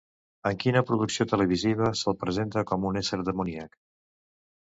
En quina producció televisiva se'l presenta com un ésser demoníac?